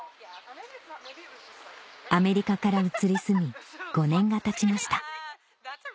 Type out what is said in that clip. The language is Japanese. アメリカから移り住み５年がたちました